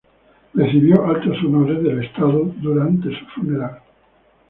Recibió altos honores del estado durante su funeral.